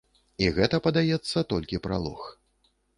І гэта, падаецца, толькі пралог.